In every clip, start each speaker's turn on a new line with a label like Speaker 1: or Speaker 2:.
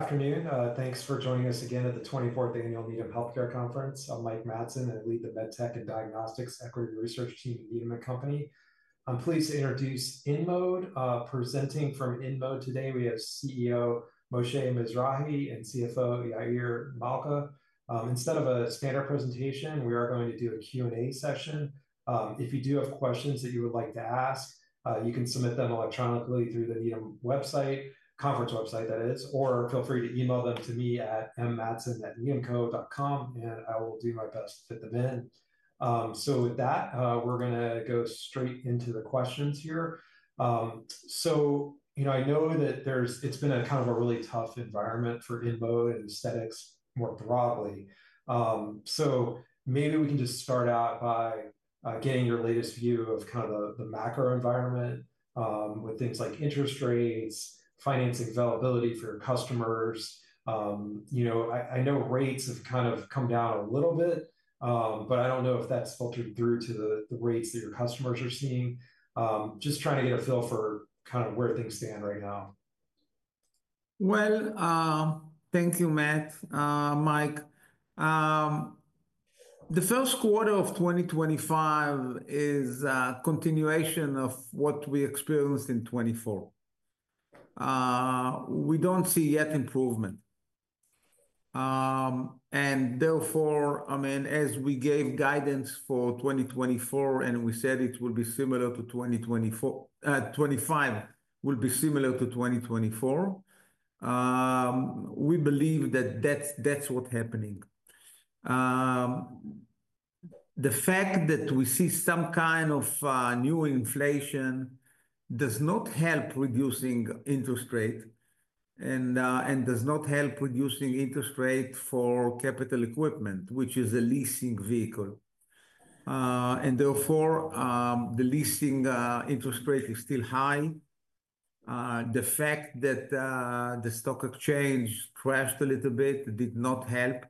Speaker 1: Afternoon. Thanks for joining us again at the 24th Annual Needham Healthcare Conference. I'm Mike Matson, and I lead the MedTech and Diagnostics Equity Research Team at Needham & Company. I'm pleased to introduce InMode. Presenting from InMode today, we have CEO Moshe Mizrahy and CFO Yair Malca. Instead of a standard presentation, we are going to do a Q&A session. If you do have questions that you would like to ask, you can submit them electronically through the Needham website, conference website, that is, or feel free to email them to me at mmatson@needhamco.com, and I will do my best to fit them in. With that, we're going to go straight into the questions here. I know that it's been a kind of a really tough environment for InMode and aesthetics more broadly. Maybe we can just start out by getting your latest view of kind of the macro environment with things like interest rates, financing availability for your customers. I know rates have kind of come down a little bit, but I do not know if that has filtered through to the rates that your customers are seeing. Just trying to get a feel for kind of where things stand right now.
Speaker 2: Thank you, Mike. The first quarter of 2025 is a continuation of what we experienced in 2024. We do not see yet improvement. Therefore, I mean, as we gave guidance for 2024, and we said it will be similar to 2024, 2025 will be similar to 2024, we believe that that is what is happening. The fact that we see some kind of new inflation does not help reducing interest rate and does not help reducing interest rate for capital equipment, which is a leasing vehicle. Therefore, the leasing interest rate is still high. The fact that the stock exchange crashed a little bit did not help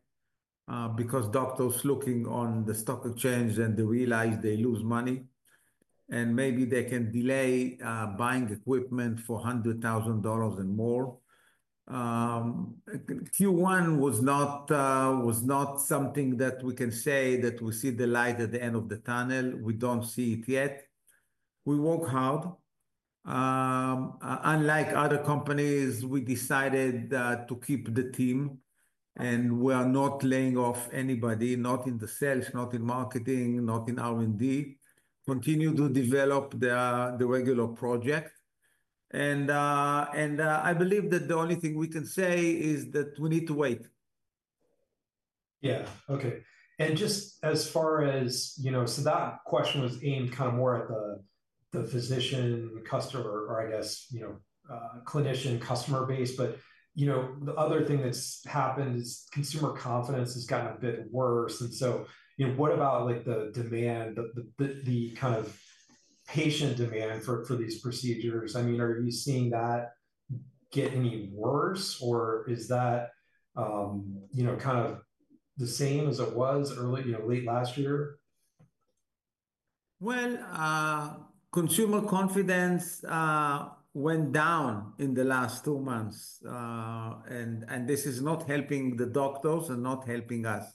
Speaker 2: because doctors are looking on the stock exchange, and they realize they lose money, and maybe they can delay buying equipment for $100,000 and more. Q1 was not something that we can say that we see the light at the end of the tunnel. We do not see it yet. We work hard. Unlike other companies, we decided to keep the team, and we are not laying off anybody, not in the sales, not in marketing, not in R&D. We continue to develop the regular project. I believe that the only thing we can say is that we need to wait.
Speaker 1: Yeah. Okay. Just as far as, you know, so that question was aimed kind of more at the physician, customer, or I guess, you know, clinician, customer base. You know, the other thing that's happened is consumer confidence has gotten a bit worse. What about the demand, the kind of patient demand for these procedures? I mean, are you seeing that get any worse, or is that kind of the same as it was early, you know, late last year?
Speaker 2: Consumer confidence went down in the last two months, and this is not helping the doctors and not helping us.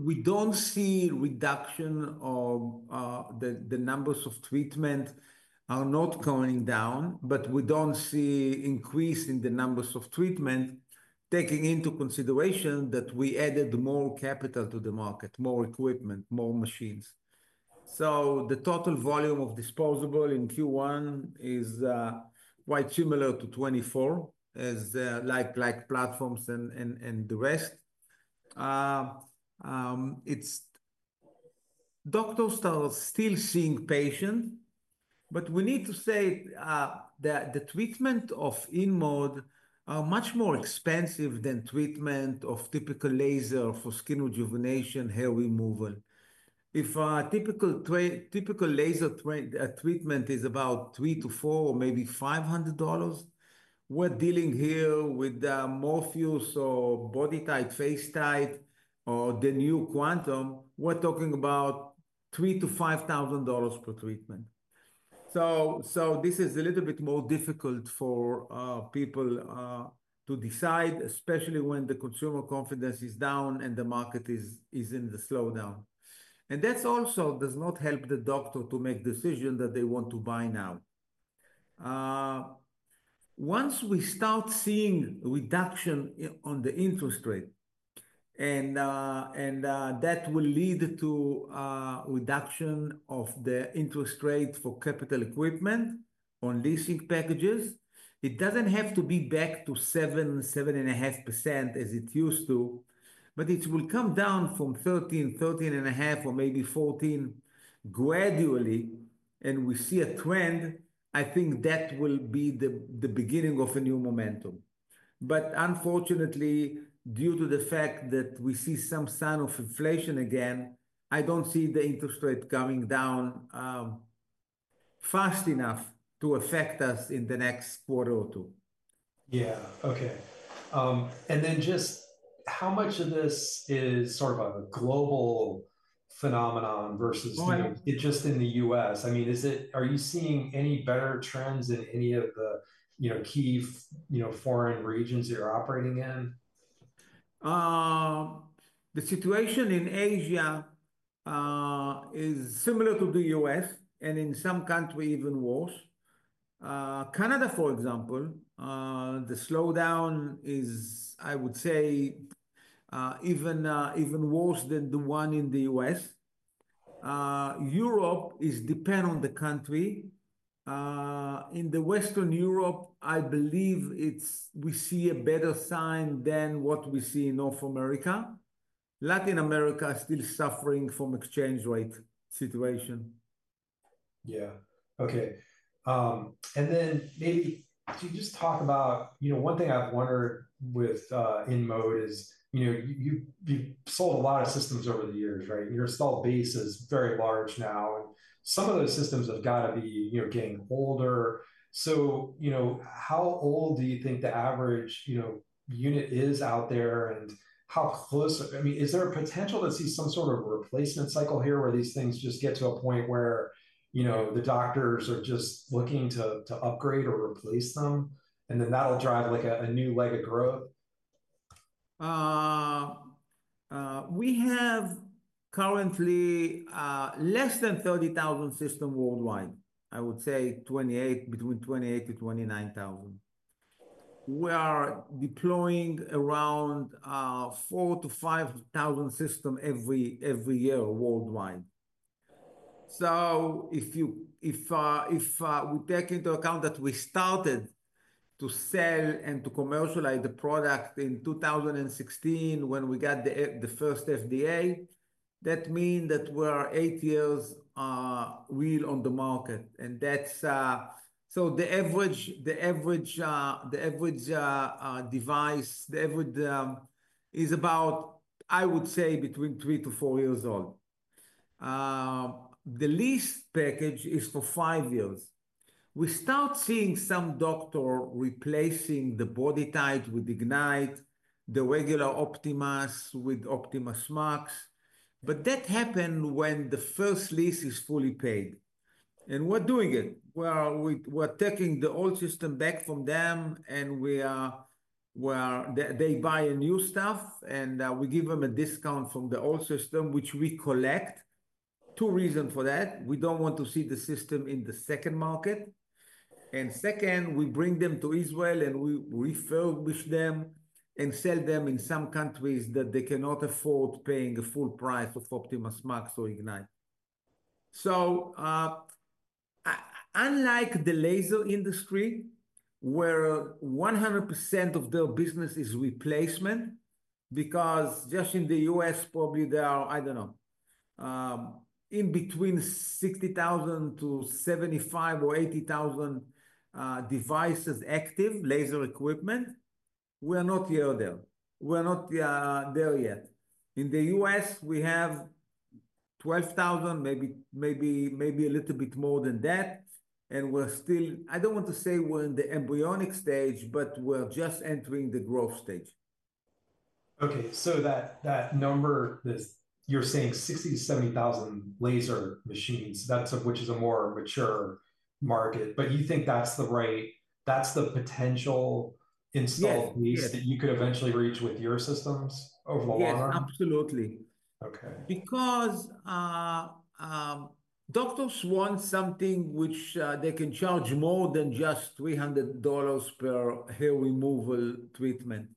Speaker 2: We do not see a reduction of the numbers of treatment are not coming down, but we do not see an increase in the numbers of treatment taking into consideration that we added more capital to the market, more equipment, more machines. The total volume of disposable in Q1 is quite similar to 2024, as like platforms and the rest. Doctors are still seeing patients, but we need to say that the treatment of InMode is much more expensive than the treatment of typical laser for skin rejuvenation, hair removal. If a typical laser treatment is about $300-$400 or maybe $500, we are dealing here with Morpheus or BodyTite, FaceTite, or the new Quantum. We are talking about $3,000-$5,000 per treatment. This is a little bit more difficult for people to decide, especially when the consumer confidence is down and the market is in the slowdown. That also does not help the doctor to make a decision that they want to buy now. Once we start seeing a reduction in the interest rate, and that will lead to a reduction of the interest rate for capital equipment on leasing packages, it does not have to be back to 7%-7.5% as it used to, but it will come down from 13%-13.5%, or maybe 14% gradually, and we see a trend, I think that will be the beginning of a new momentum. Unfortunately, due to the fact that we see some sign of inflation again, I do not see the interest rate coming down fast enough to affect us in the next quarter or two.
Speaker 1: Yeah. Okay. How much of this is sort of a global phenomenon versus just in the U.S.? I mean, are you seeing any better trends in any of the key foreign regions that you're operating in?
Speaker 2: The situation in Asia is similar to the U.S., and in some countries, even worse. Canada, for example, the slowdown is, I would say, even worse than the one in the U.S. Europe is a dependent country. In Western Europe, I believe we see a better sign than what we see in North America. Latin America is still suffering from an exchange rate situation.
Speaker 1: Yeah. Okay. Maybe can you just talk about one thing I've wondered with InMode is you've sold a lot of systems over the years, right? Your installed base is very large now. Some of those systems have got to be getting older. How old do you think the average unit is out there, and how close? I mean, is there a potential to see some sort of replacement cycle here where these things just get to a point where the doctors are just looking to upgrade or replace them, and then that'll drive a new leg of growth?
Speaker 2: We have currently less than 30,000 systems worldwide. I would say between 28,000-29,000. We are deploying around 4,000-5,000 systems every year worldwide. If we take into account that we started to sell and to commercialize the product in 2016 when we got the first FDA, that means that we are eight years real on the market. The average device, the average is about, I would say, between three to four years old. The lease package is for five years. We start seeing some doctors replacing the BodyTite with Ignite, the regular Optimas with OptimasMAX. That happens when the first lease is fully paid. We are doing it. We are taking the old system back from them, and they buy new stuff, and we give them a discount from the old system, which we collect. Two reasons for that. We do not want to see the system in the second market. Second, we bring them to Israel, and we refurbish them and sell them in some countries that cannot afford paying the full price of OptimasMAX or Ignite. Unlike the laser industry, where 100% of their business is replacement, because just in the U.S., probably there are, I do not know, between 60,000-75,000 or 80,000 devices active, laser equipment, we are not here or there. We are not there yet. In the U.S., we have 12,000, maybe a little bit more than that. We are still, I do not want to say we are in the embryonic stage, but we are just entering the growth stage.
Speaker 1: Okay. So that number, you're saying 60,000-70,000 laser machines, which is a more mature market. But you think that's the right, that's the potential installed base that you could eventually reach with your systems over the long run?
Speaker 2: Yes, absolutely.
Speaker 1: Okay.
Speaker 2: Because doctors want something which they can charge more than just $300 per hair removal treatment.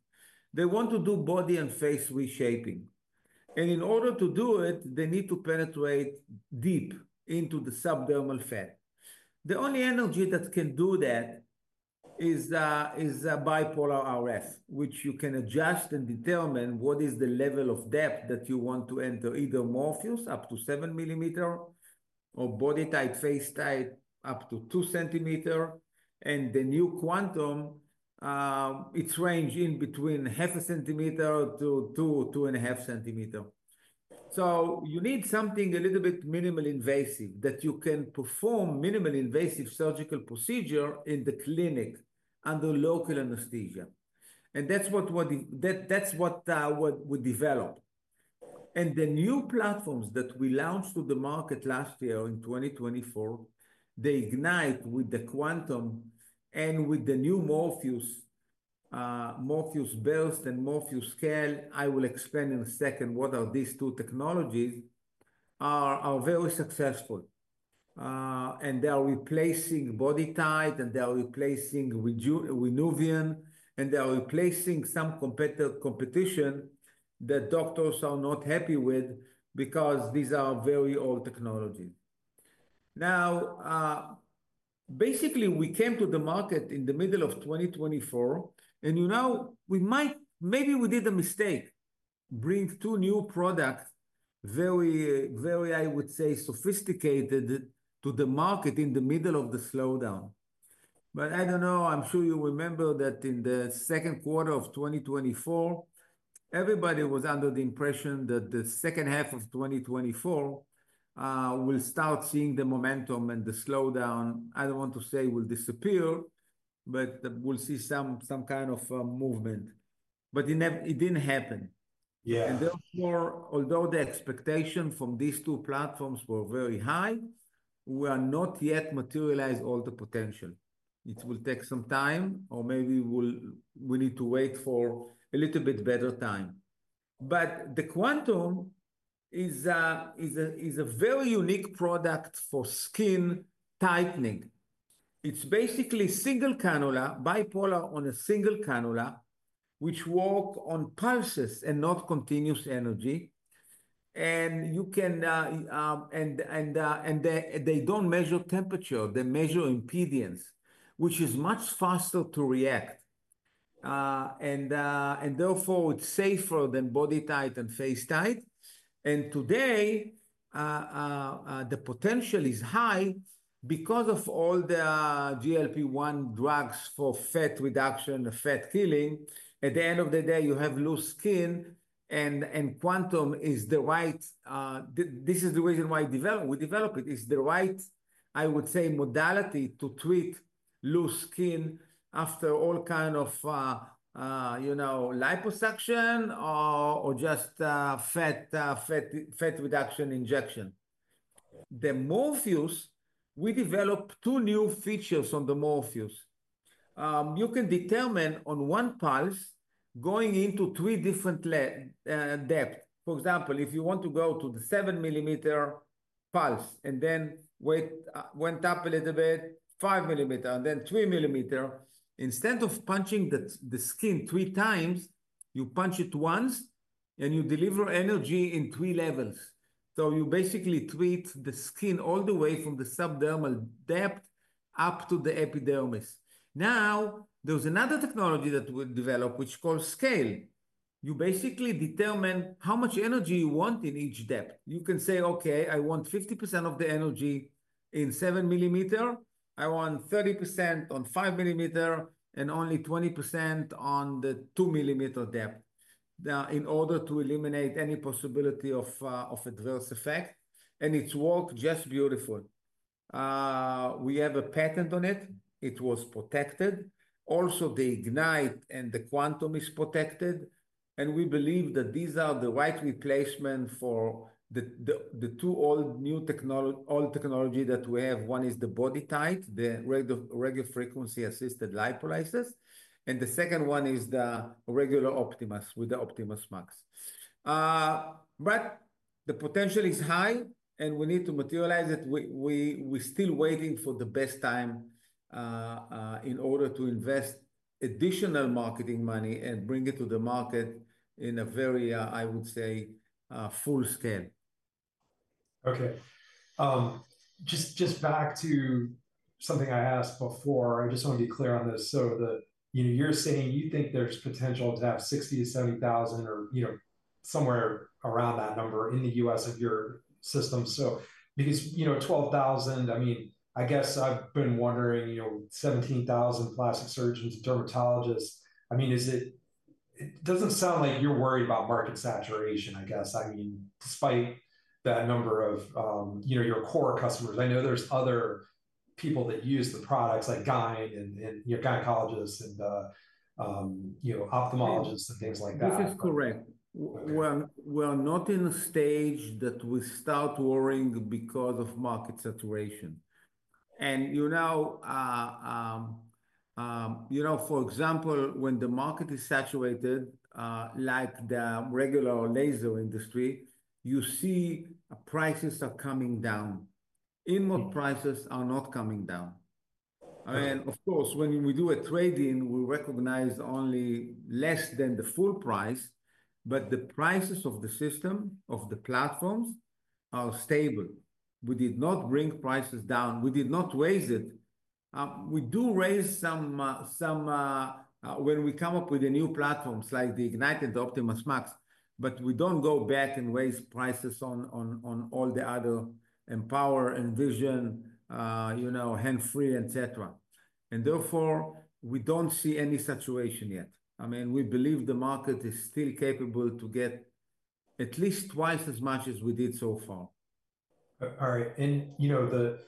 Speaker 2: They want to do body and face reshaping. In order to do it, they need to penetrate deep into the subdermal fat. The only energy that can do that is bipolar RF, which you can adjust and determine what is the level of depth that you want to enter, either Morpheus up to 7 mm or BodyTite FaceTite up to 2 cm. The new Quantum, its range is between 0.5 cm to 2-2.5 cm. You need something a little bit minimally invasive that you can perform minimally invasive surgical procedures in the clinic under local anesthesia. That is what we developed. The new platforms that we launched to the market last year in 2024, the Ignite with the Quantum and with the new Morpheus Burst and Morpheus Scale, I will explain in a second what these two technologies are, very successful. They are replacing BodyTite, and they are replacing Renuvion, and they are replacing some competition that doctors are not happy with because these are very old technologies. Basically, we came to the market in the middle of 2024. You know, maybe we did a mistake bringing two new products, very, very, I would say, sophisticated to the market in the middle of the slowdown. I don't know. I'm sure you remember that in the second quarter of 2024, everybody was under the impression that the second half of 2024 will start seeing the momentum and the slowdown. I don't want to say it will disappear, but we'll see some kind of movement. It didn't happen.
Speaker 1: Yeah.
Speaker 2: Therefore, although the expectation from these two platforms was very high, we have not yet materialized all the potential. It will take some time, or maybe we need to wait for a little bit better time. The Quantum is a very unique product for skin tightening. It's basically single cannula, bipolar on a single cannula, which works on pulses and not continuous energy. They do not measure temperature. They measure impedance, which is much faster to react. Therefore, it's safer than BodyTite and FaceTite. Today, the potential is high because of all the GLP-1 drugs for fat reduction and fat killing. At the end of the day, you have loose skin, and Quantum is the right—this is the reason why we develop it. It's the right, I would say, modality to treat loose skin after all kinds of liposuction or just fat reduction injection. The Morpheus, we developed two new features on the Morpheus. You can determine on one pulse going into three different depths. For example, if you want to go to the 7 mm pulse and then went up a little bit, 5 mm, and then 3 mm, instead of punching the skin three times, you punch it once, and you deliver energy in three levels. You basically treat the skin all the way from the subdermal depth up to the epidermis. Now, there's another technology that we developed which is called Scale. You basically determine how much energy you want in each depth. You can say, "Okay, I want 50% of the energy in 7 mm. I want 30% on 5 mm and only 20% on the 2 mm depth in order to eliminate any possibility of adverse effect." It's worked just beautifully. We have a patent on it. It was protected. Also, the Ignite and the Quantum are protected. We believe that these are the right replacements for the two old new technologies that we have. One is the BodyTite, the radiofrequency-assisted lipolysis. The second one is the regular Optimas with the OptimasMAX. The potential is high, and we need to materialize it. We're still waiting for the best time in order to invest additional marketing money and bring it to the market in a very, I would say, full scale.
Speaker 1: Okay. Just back to something I asked before. I just want to be clear on this. You're saying you think there's potential to have 60,000-70,000 or somewhere around that number in the U.S. of your systems. Because 12,000, I mean, I guess I've been wondering, 17,000 plastic surgeons and dermatologists. It doesn't sound like you're worried about market saturation, I guess. Despite that number of your core customers, I know there's other people that use the products like GYN and gynecologists and ophthalmologists and things like that.
Speaker 2: This is correct. We are not in a stage that we start worrying because of market saturation. For example, when the market is saturated, like the regular laser industry, you see prices are coming down. InMode prices are not coming down. I mean, of course, when we do a trade-in, we recognize only less than the full price, but the prices of the system, of the platforms, are stable. We did not bring prices down. We did not raise it. We do raise some when we come up with a new platform like the Ignite and the OptimasMAX, but we don't go back and raise prices on all the other Empower and Envision, Hands-Free, etc. Therefore, we don't see any saturation yet. I mean, we believe the market is still capable to get at least twice as much as we did so far.
Speaker 1: All right.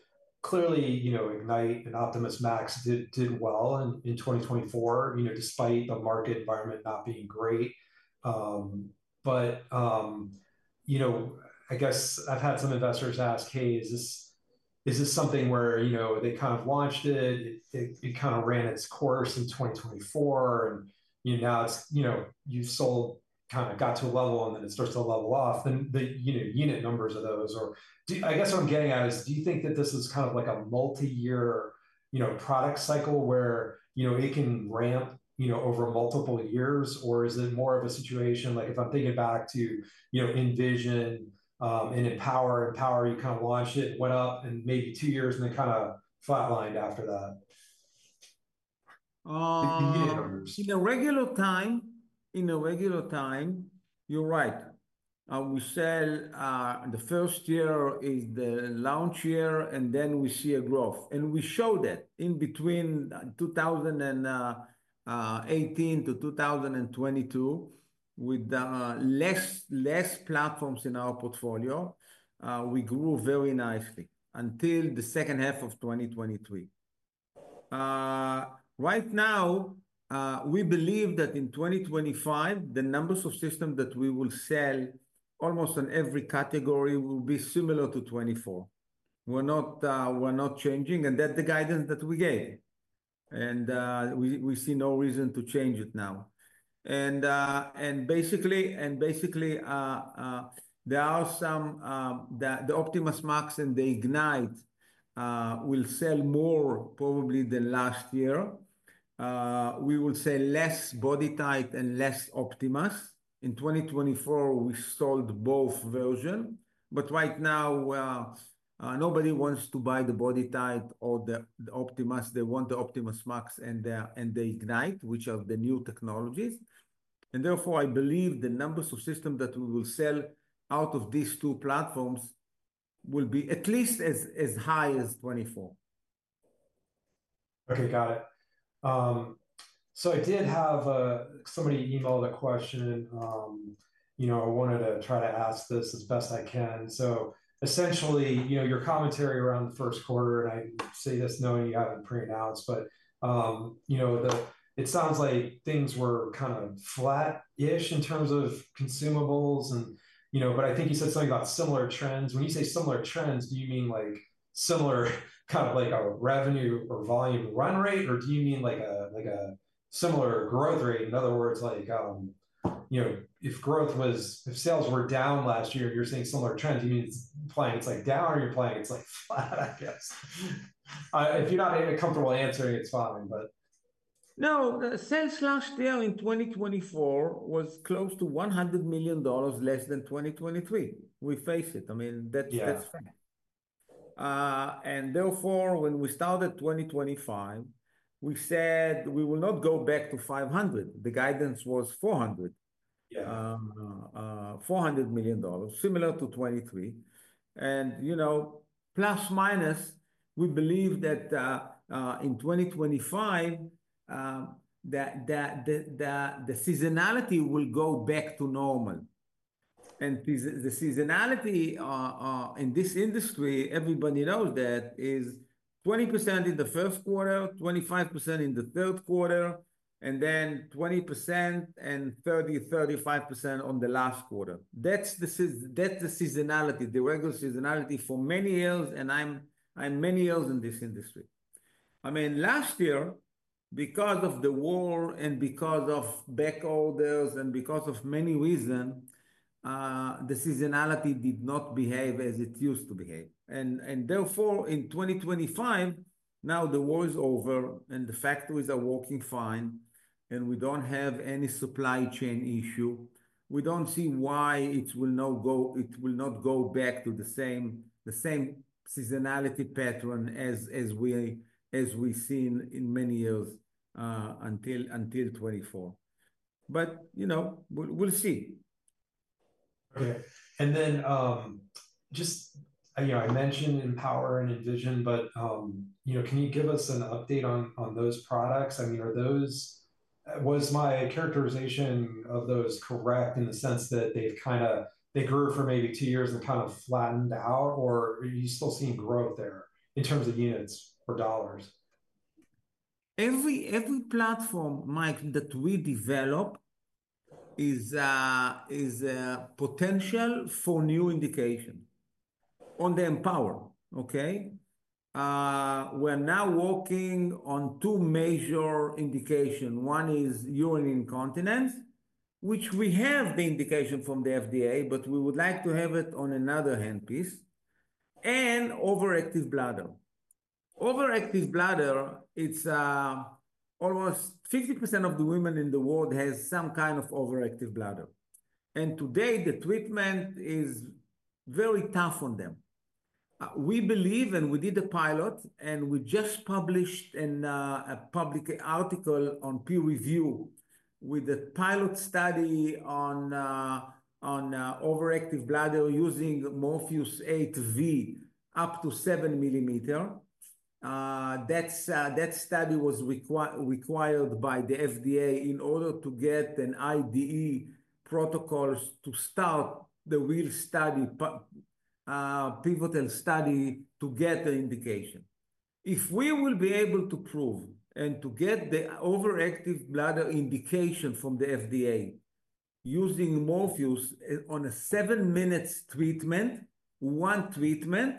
Speaker 1: Clearly, Ignite and OptimasMAX did well in 2024, despite the market environment not being great. I guess I've had some investors ask, "Hey, is this something where they kind of launched it? It kind of ran its course in 2024, and now you've sold, kind of got to a level, and then it starts to level off." The unit numbers of those, or I guess what I'm getting at is, do you think that this is kind of like a multi-year product cycle where it can ramp over multiple years, or is it more of a situation like if I'm thinking back to Envision and Empower, Empower, you kind of launched it, went up in maybe two years, and then kind of flatlined after that?
Speaker 2: In the regular time, you're right. We sell the first year is the launch year, and then we see a growth. We showed it in between 2018 to 2022 with less platforms in our portfolio. We grew very nicely until the second half of 2023. Right now, we believe that in 2025, the numbers of systems that we will sell almost in every category will be similar to 2024. We're not changing, and that's the guidance that we gave. We see no reason to change it now. Basically, there are some that the OptimasMAX and the Ignite will sell more probably than last year. We will sell less BodyTite and less Optimas. In 2024, we sold both versions. Right now, nobody wants to buy the BodyTite or the Optimas. They want the OptimasMAX and the Ignite, which are the new technologies. Therefore, I believe the numbers of systems that we will sell out of these two platforms will be at least as high as 2024.
Speaker 1: Okay. Got it. I did have somebody email a question. I wanted to try to ask this as best I can. Essentially, your commentary around the first quarter, and I say this knowing you haven't pre-announced, but it sounds like things were kind of flat-ish in terms of consumables. I think you said something about similar trends. When you say similar trends, do you mean similar kind of revenue or volume run rate, or do you mean a similar growth rate? In other words, if sales were down last year, you're seeing similar trends. Do you mean it's playing down, or are you saying it's flat, I guess? If you're not comfortable answering, it's fine.
Speaker 2: No. Sales last year in 2024 was close to $100 million less than 2023. We face it. I mean, that's fact. Therefore, when we started 2025, we said we will not go back to 500. The guidance was $400, $400 million, similar to 2023. Plus minus, we believe that in 2025, the seasonality will go back to normal. The seasonality in this industry, everybody knows that, is 20% in the first quarter, 25% in the third quarter, and then 20% and 30-35% on the last quarter. That's the seasonality, the regular seasonality for many years, and I'm many years in this industry. I mean, last year, because of the war and because of backorders and because of many reasons, the seasonality did not behave as it used to behave. Therefore, in 2025, now the war is over, and the factories are working fine, and we do not have any supply chain issue. We do not see why it will not go back to the same seasonality pattern as we have seen in many years until 2024. We will see.
Speaker 1: Okay. I mentioned Empower and Envision, but can you give us an update on those products? I mean, was my characterization of those correct in the sense that they grew for maybe two years and kind of flattened out, or are you still seeing growth there in terms of units or dollars?
Speaker 2: Every platform, Mike, that we develop is potential for new indication on the Empower, okay? We're now working on two major indications. One is urine incontinence, which we have the indication from the FDA, but we would like to have it on another handpiece, and overactive bladder. Overactive bladder, almost 50% of the women in the world have some kind of overactive bladder. Today, the treatment is very tough on them. We believe, and we did a pilot, and we just published a public article on peer review with a pilot study on overactive bladder using Morpheus8V up to 7 mm. That study was required by the FDA in order to get an IDE protocol to start the real study, pivotal study to get the indication. If we will be able to prove and to get the overactive bladder indication from the FDA using Morpheus on a seven-minute treatment, one treatment,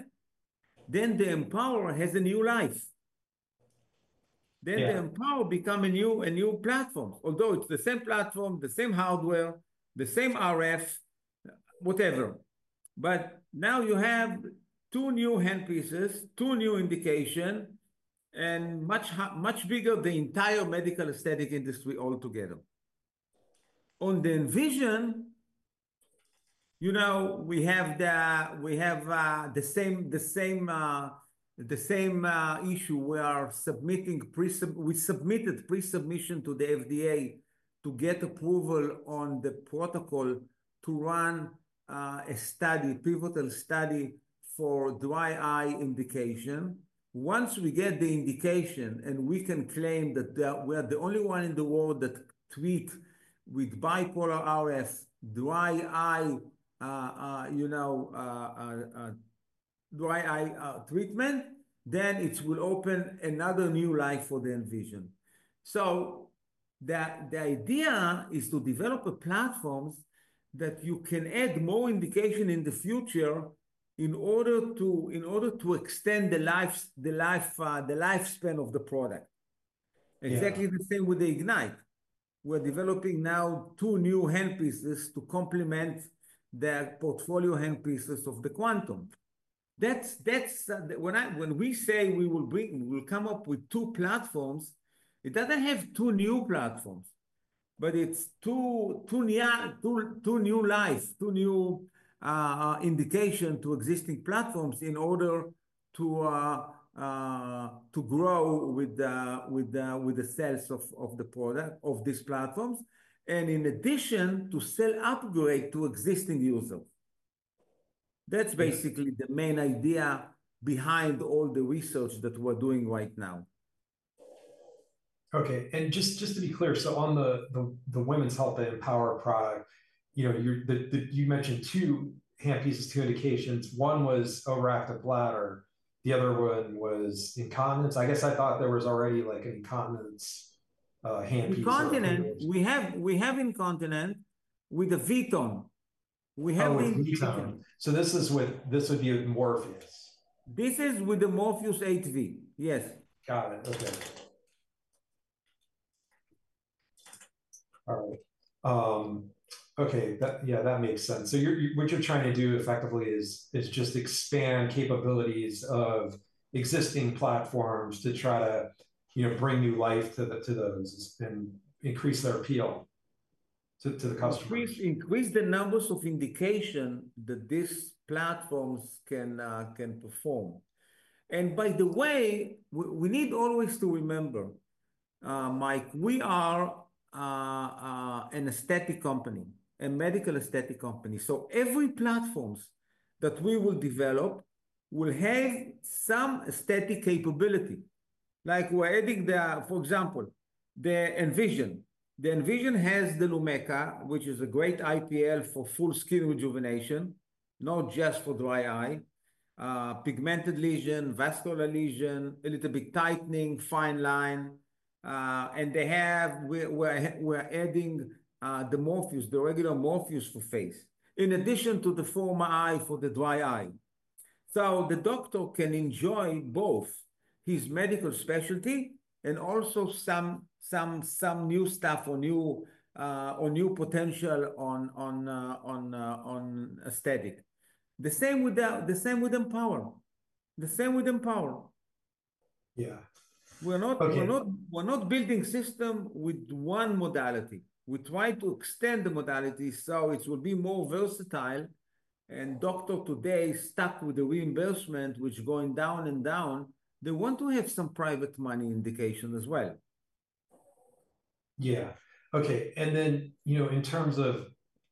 Speaker 2: the Empower has a new life. The Empower becomes a new platform, although it's the same platform, the same hardware, the same RF, whatever. Now you have two new handpieces, two new indications, and much bigger the entire medical aesthetic industry altogether. On the Envision, we have the same issue. We are submitting pre-submission to the FDA to get approval on the protocol to run a study, pivotal study for dry eye indication. Once we get the indication and we can claim that we are the only one in the world that treats with bipolar RF dry eye treatment, it will open another new life for the Envision. The idea is to develop platforms that you can add more indication in the future in order to extend the lifespan of the product. Exactly the same with the Ignite. We're developing now two new handpieces to complement the portfolio handpieces of the Quantum. When we say we will come up with two platforms, it doesn't have two new platforms, but it's two new lives, two new indications to existing platforms in order to grow with the sales of the product of these platforms and in addition to sell upgrade to existing users. That's basically the main idea behind all the research that we're doing right now.
Speaker 1: Okay. Just to be clear, on the Women's Health and Empower product, you mentioned two handpieces, two indications. One was overactive bladder. The other one was incontinence. I guess I thought there was already an incontinence handpiece.
Speaker 2: Incontinence. We have incontinence with the VTone. We have the.
Speaker 1: Oh, the VTone. This would be with Morpheus.
Speaker 2: This is with the Morpheus8V. Yes.
Speaker 1: Got it. Okay. All right. Okay. Yeah, that makes sense. What you're trying to do effectively is just expand capabilities of existing platforms to try to bring new life to those and increase their appeal to the customers.
Speaker 2: Increase the numbers of indications that these platforms can perform. By the way, we need always to remember, Mike, we are an aesthetic company, a medical aesthetic company. Every platform that we will develop will have some aesthetic capability. For example, the Envision. The Envision has the Lumecca, which is a great IPL for full skin rejuvenation, not just for dry eye, pigmented lesion, vascular lesion, a little bit tightening, fine line. We're adding the Morpheus, the regular Morpheus for face, in addition to the Forma-I for the dry eye. The doctor can enjoy both his medical specialty and also some new stuff or new potential on aesthetic. The same with Empower. The same with Empower.
Speaker 1: Yeah.
Speaker 2: We're not building systems with one modality. We try to extend the modality so it will be more versatile. Doctors today stuck with the reimbursement, which is going down and down. They want to have some private money indication as well.
Speaker 1: Yeah. Okay. In terms of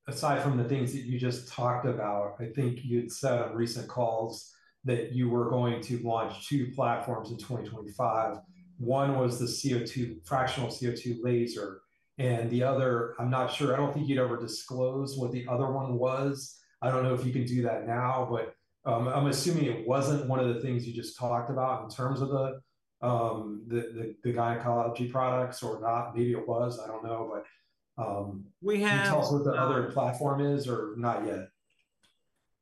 Speaker 1: aside from the things that you just talked about, I think you'd said on recent calls that you were going to launch two platforms in 2025. One was the fractional CO2 laser, and the other, I'm not sure. I don't think you'd ever disclose what the other one was. I don't know if you can do that now, but I'm assuming it wasn't one of the things you just talked about in terms of the gynecology products or not. Maybe it was. I don't know, but can you tell us what the other platform is or not yet?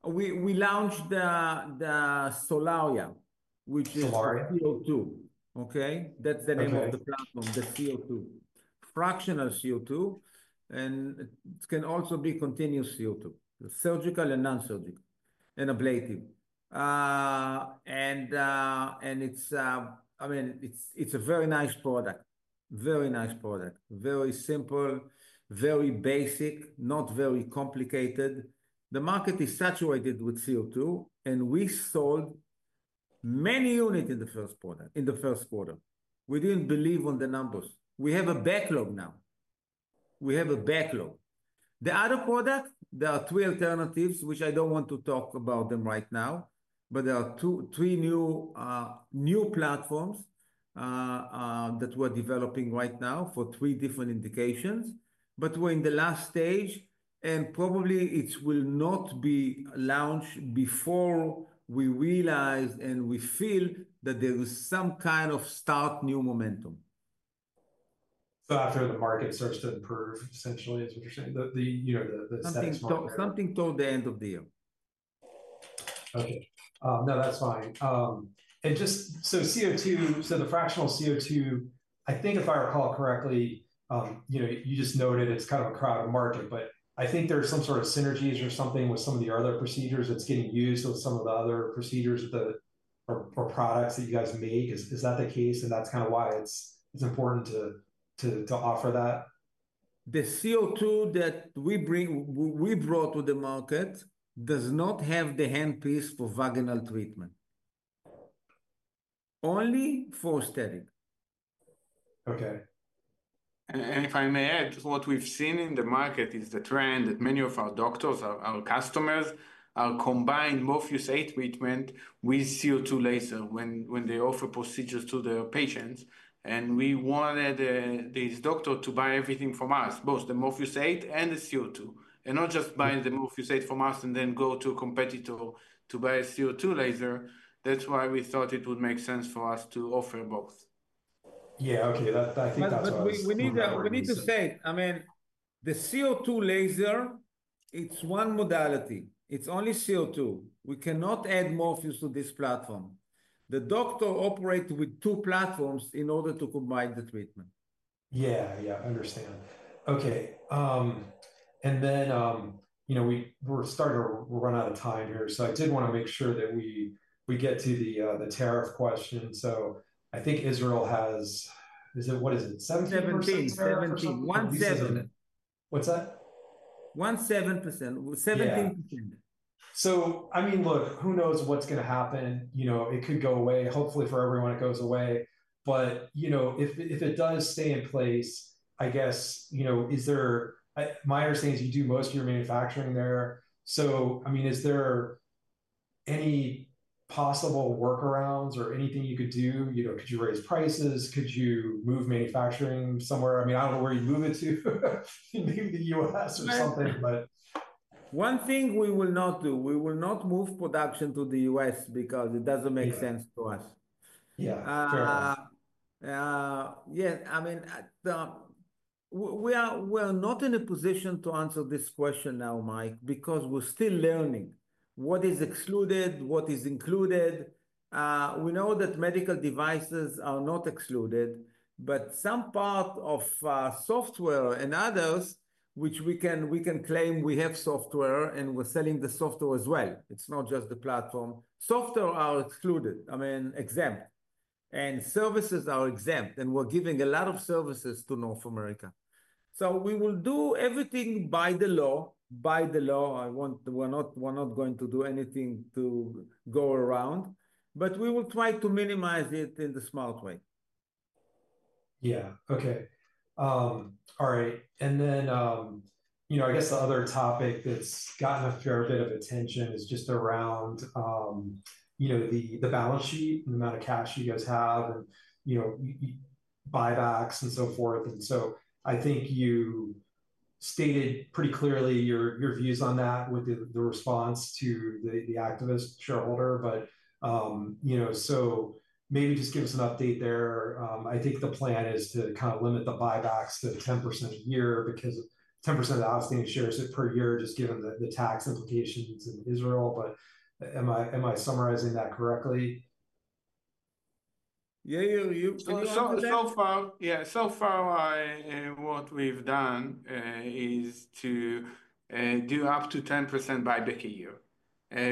Speaker 2: We launched the Solaria, which is CO2.
Speaker 1: Solaria?
Speaker 2: Okay? That's the name of the platform, the CO2. Fractional CO2, and it can also be continuous CO2, surgical and non-surgical, and ablative. I mean, it's a very nice product, very nice product, very simple, very basic, not very complicated. The market is saturated with CO2, and we sold many units in the first quarter. We didn't believe in the numbers. We have a backlog now. We have a backlog. The other product, there are three alternatives, which I don't want to talk about them right now, but there are three new platforms that we're developing right now for three different indications. We're in the last stage, and probably it will not be launched before we realize and we feel that there is some kind of start new momentum.
Speaker 1: After the market starts to improve, essentially, is what you're saying, the aesthetic smartphone?
Speaker 2: Something toward the end of the year.
Speaker 1: Okay. No, that's fine. The fractional CO2, I think if I recall correctly, you just noted it's kind of a crowded market, but I think there's some sort of synergies or something with some of the other procedures that's getting used with some of the other procedures or products that you guys make. Is that the case? That's kind of why it's important to offer that?
Speaker 2: The CO2 that we brought to the market does not have the handpiece for vaginal treatment, only for aesthetic.
Speaker 1: Okay.
Speaker 3: If I may add, what we've seen in the market is the trend that many of our doctors, our customers, are combining Morpheus8 treatment with CO2 laser when they offer procedures to their patients. We wanted this doctor to buy everything from us, both the Morpheus8 and the CO2, and not just buy the Morpheus8 from us and then go to a competitor to buy a CO2 laser. That's why we thought it would make sense for us to offer both.
Speaker 1: Yeah. Okay. I think that's awesome.
Speaker 2: I mean, the CO2 laser, it's one modality. It's only CO2. We cannot add Morpheus to this platform. The doctor operates with two platforms in order to combine the treatment.
Speaker 1: Yeah. Yeah. I understand. Okay. We are starting to run out of time here, so I did want to make sure that we get to the tariff question. I think Israel has, what is it, 17%?
Speaker 2: 17%.
Speaker 1: What's that?
Speaker 2: 17%. 17%.
Speaker 1: I mean, look, who knows what's going to happen? It could go away. Hopefully, for everyone, it goes away. If it does stay in place, I guess my understanding is you do most of your manufacturing there. I mean, is there any possible workarounds or anything you could do? Could you raise prices? Could you move manufacturing somewhere? I mean, I don't know where you'd move it to, maybe the U.S. or something.
Speaker 2: One thing we will not do. We will not move production to the U.S. because it doesn't make sense to us.
Speaker 1: Yeah. Fair enough.
Speaker 2: Yeah. I mean, we are not in a position to answer this question now, Mike, because we're still learning what is excluded, what is included. We know that medical devices are not excluded, but some part of software and others, which we can claim we have software and we're selling the software as well. It's not just the platform. Software are excluded, I mean, exempt. And services are exempt, and we're giving a lot of services to North America. We will do everything by the law, by the law. We're not going to do anything to go around, but we will try to minimize it in the smart way.
Speaker 1: Yeah. Okay. All right. I guess the other topic that's gotten a fair bit of attention is just around the balance sheet and the amount of cash you guys have and buybacks and so forth. I think you stated pretty clearly your views on that with the response to the activist shareholder. Maybe just give us an update there. I think the plan is to kind of limit the buybacks to 10% a year because 10% of the outstanding shares per year, just given the tax implications in Israel. Am I summarizing that correctly?
Speaker 3: Yeah. So far, what we've done is to do up to 10% buyback a year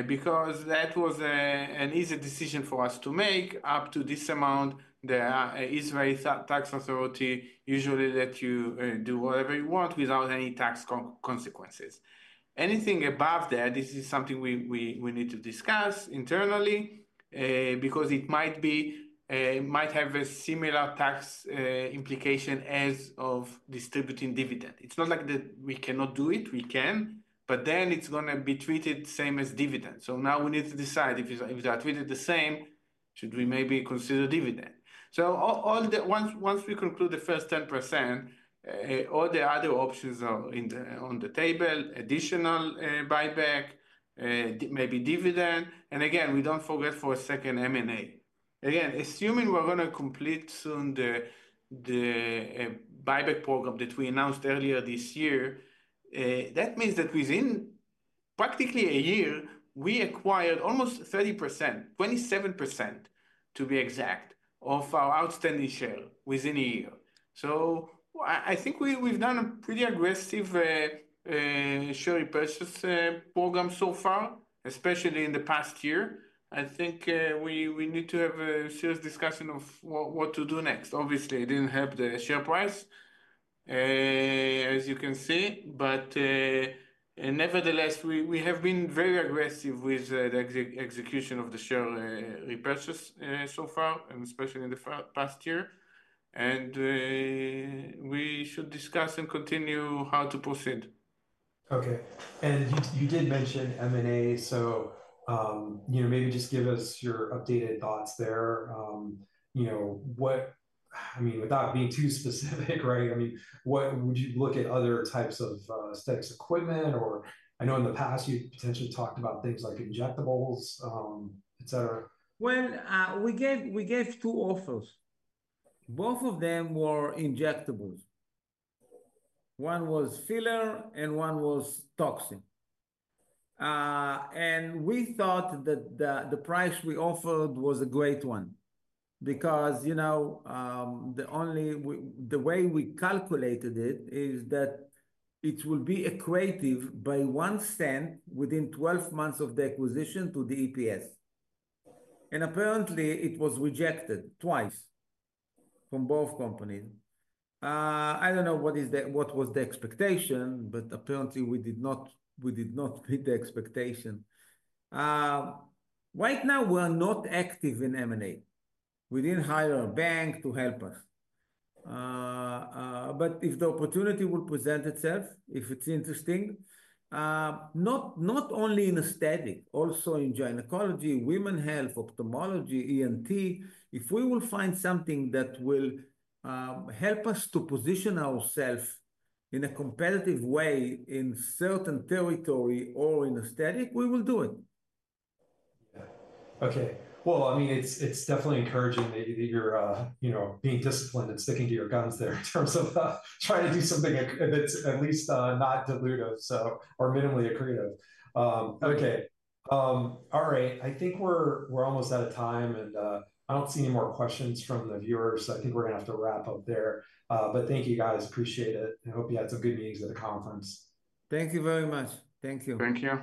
Speaker 3: because that was an easy decision for us to make up to this amount. The Israeli tax authority usually lets you do whatever you want without any tax consequences. Anything above that, this is something we need to discuss internally because it might have a similar tax implication as of distributing dividend. It's not like that we cannot do it. We can, but then it's going to be treated the same as dividend. Now we need to decide if they're treated the same, should we maybe consider dividend? Once we conclude the first 10%, all the other options are on the table: additional buyback, maybe dividend. Again, we don't forget for a second M&A. Again, assuming we're going to complete soon the buyback program that we announced earlier this year, that means that within practically a year, we acquired almost 30%, 27% to be exact, of our outstanding share within a year. I think we've done a pretty aggressive share repurchase program so far, especially in the past year. I think we need to have a serious discussion of what to do next. Obviously, it didn't help the share price, as you can see. Nevertheless, we have been very aggressive with the execution of the share repurchase so far, and especially in the past year. We should discuss and continue how to proceed.
Speaker 1: Okay. You did mention M&A, so maybe just give us your updated thoughts there. I mean, without being too specific, right, I mean, would you look at other types of aesthetics equipment? I know in the past, you've potentially talked about things like injectables, etc.
Speaker 2: We gave two offers. Both of them were injectables. One was filler and one was toxin. We thought that the price we offered was a great one because the way we calculated it is that it will be equated by one cent within 12 months of the acquisition to the EPS. Apparently, it was rejected twice from both companies. I do not know what was the expectation, but apparently, we did not meet the expectation. Right now, we are not active in M&A. We did not hire a bank to help us. If the opportunity will present itself, if it is interesting, not only in aesthetic, also in gynecology, women's health, ophthalmology, ENT, if we will find something that will help us to position ourselves in a competitive way in certain territory or in aesthetic, we will do it.
Speaker 1: Yeah. Okay. I mean, it's definitely encouraging that you're being disciplined and sticking to your guns there in terms of trying to do something that's at least not dilutive or minimally accretive. Okay. All right. I think we're almost out of time, and I don't see any more questions from the viewers. I think we're going to have to wrap up there. Thank you, guys. Appreciate it. I hope you had some good meetings at the conference.
Speaker 2: Thank you very much. Thank you.
Speaker 3: Thank you.